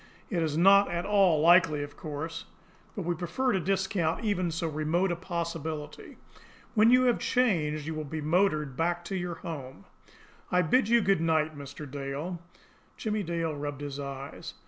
It is not at all likely, of course; but we prefer to discount even so remote a possibility. When you have changed, you will be motored back to your home. I bid you good night, Mr. Dale." Jimmie Dale rubbed his eyes.